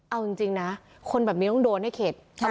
เอาจริงจริงนะคนแบบนี้ต้องโดรนให้เขตอ่า